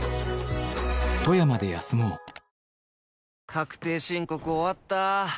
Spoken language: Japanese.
確定申告終わった。